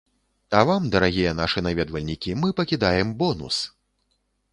А вам, дарагія нашы наведвальнікі, мы пакідаем бонус!